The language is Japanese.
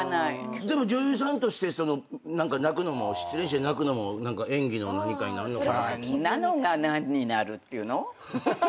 でも女優さんとして泣くのも失恋して泣くのも演技の何かになるのかな。